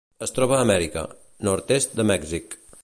Es troba a Amèrica: nord-est de Mèxic.